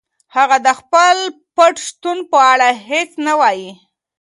هغه د خپل پټ شتون په اړه هیڅ نه وايي.